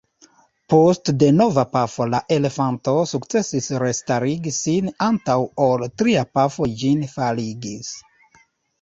Post denova pafo la elefanto sukcesis restarigi sin antaŭ ol tria pafo ĝin faligis.